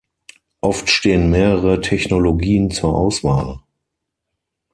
Oft stehen mehrere Technologien zur Auswahl.